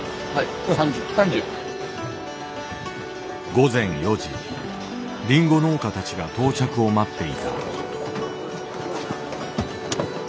午前４時リンゴ農家たちが到着を待っていた。